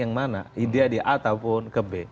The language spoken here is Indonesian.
yang mana idea di a ataupun ke b